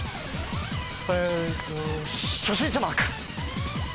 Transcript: えーっと初心者マーク。